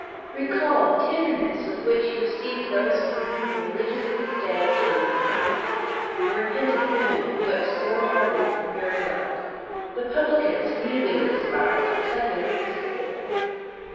Recall the tenderness with which he received those from whom the religious of his day turned aside the repentant women who wept sore hearted from very love, the publicans who knew they were despised because they were despicable.